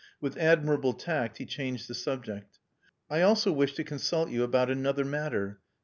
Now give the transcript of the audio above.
With admirable tact he changed the subject. "I also wished to consult you about another matter.